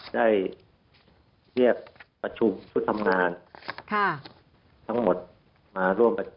ได้เรียกประชุมชุดทำงานทั้งหมดมาร่วมประชุม